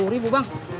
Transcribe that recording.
sepuluh ribu bang